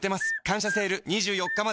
「感謝セール」２４日まで